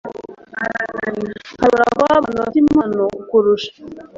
Hashobora kubaho abantu bafite impano kukurusha,